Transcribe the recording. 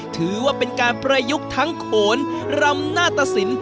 ถือว่าเป็นการประยุกต์ทั้งโขนรำหน้าตสิน